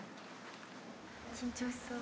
「緊張しそう」